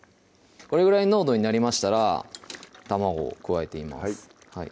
これぐらいの濃度になりましたら卵を加えてみます